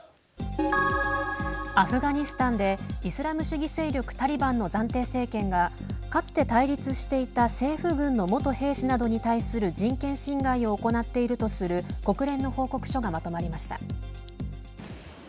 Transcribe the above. アフガニスタンでイスラム主義勢力タリバンの暫定政権がかつて、対立していた政府軍の元兵士などに対する人権侵害を行っているとする国連の報告書がまとまりました。